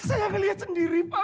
saya melihat sendiri pak